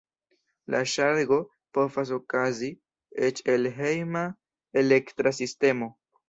La ŝargo povas okazi eĉ el hejma elektra sistemo.